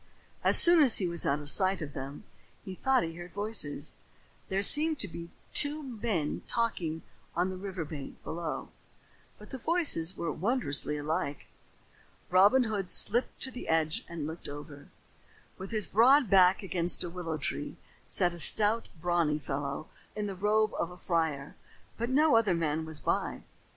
As soon as he was out of sight of them, he thought he heard voices. There seemed to be two men talking on the river bank below, but the voices were wondrously alike. Robin Hood slipped to the edge and looked over. With his broad back against a willow tree, sat a stout, brawny fellow in the robe of a friar, but no other man was by.